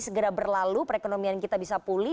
segera berlalu perekonomian kita bisa pulih